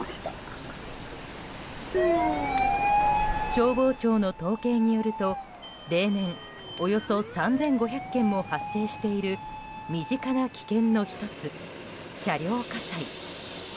消防庁の統計によると、例年およそ３５００件も発生している身近な危険の１つ、車両火災。